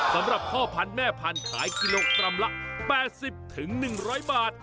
สำหรับพ่อพันธุ์แม่พันธุ์ขายกิโลกรัมละ๘๐๑๐๐บาท